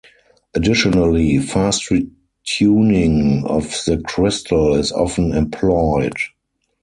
Additionally fast retuning of the crystal is often employed.